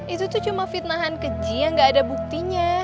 itu tuh cuma fitnahan keji yang gak ada buktinya